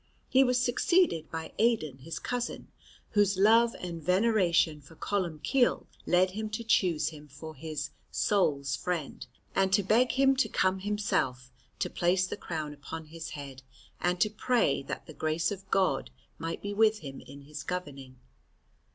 He was succeeded by Aidan, his cousin, whose love and veneration for Columbcille led him to choose him for his "soul's friend," and to beg him to come himself to place the crown upon his head and to pray that the grace of God might be with him in his governing.